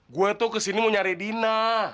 gue tuh kesini mau nyari dina